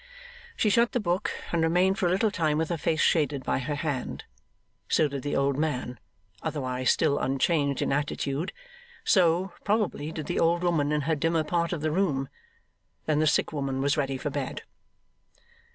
She shut the book and remained for a little time with her face shaded by her hand. So did the old man, otherwise still unchanged in attitude; so, probably, did the old woman in her dimmer part of the room. Then the sick woman was ready for bed.